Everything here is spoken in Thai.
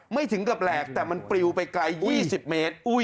ถึงกับแหลกแต่มันปลิวไปไกล๒๐เมตร